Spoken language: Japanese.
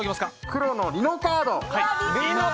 黒のリノカード！